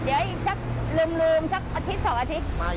เดี๋ยวพี่ชักลืมอาทิศสองอาทิตย์